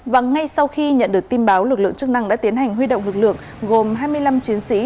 và ngay sau khi nhận được tin báo lực lượng chức năng đã tiến hành huy động lực lượng gồm hai mươi năm chiến sĩ